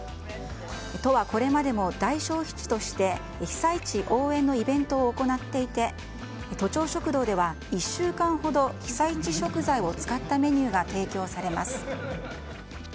都はこれまでも大消費地として被災地応援のイベントを行っていて都庁食堂では１週間ほど被災地食材を使ったメニューが提供されます。